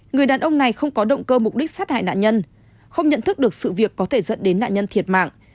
người đàn ông này không có động cơ mục đích sát hại nạn nhân không nhận thức được sự việc có thể dẫn đến nạn nhân thiệt mạng